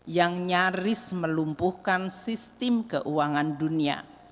yang nyaris melumpuhkan sistem keuangan dunia